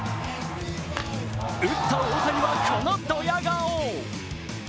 打った大谷は、このドヤ顔。